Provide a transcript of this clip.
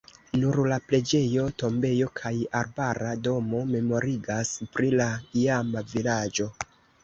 Nur la preĝejo, tombejo kaj arbara domo memorigas pri la iama vilaĝo.